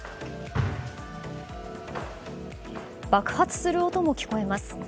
爆発する音も聞こえます。